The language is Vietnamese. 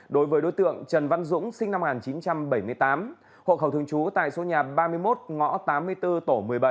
đối với đối tượng trần văn dũng sinh năm một nghìn chín trăm bảy mươi tám hộ khẩu thường trú tại số nhà ba mươi một ngõ tám mươi bốn tổ một mươi bảy